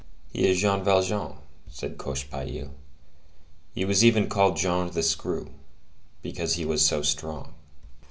"He is Jean Valjean," said Cochepaille. "He was even called Jean the Screw, because he was so strong."